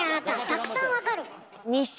たくさんわかる。